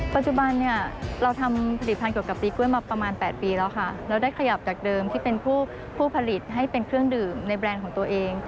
ปัจจุบันเนี่ยเราทำผลิตภัณฑ์เกี่ยวกับตีกล้วยมาประมาณ๘ปีแล้วค่ะเราได้ขยับจากเดิมที่เป็นผู้ผลิตให้เป็นเครื่องดื่มในแบรนด์ของตัวเอง